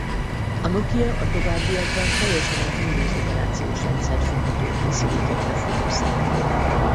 A Nokia a továbbiakban teljesen a Windows operációs rendszert futtató készülékekre fókuszál.